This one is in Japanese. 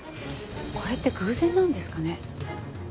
これって偶然なんですかね？